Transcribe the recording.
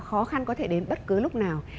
khó khăn có thể đến bất cứ lúc nào